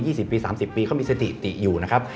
สิบปีสามสิบปีเขามีสถิติอยู่นะครับ